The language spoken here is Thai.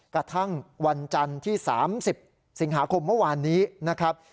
กระทั่งวันจันทร์ที่๓๐สิงหาคมเมื่อวานนี้นะครับ